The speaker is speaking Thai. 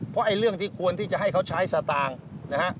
เพราะไอ้เรื่องที่ควรที่จะให้เขาใช้สตางค์นะฮะ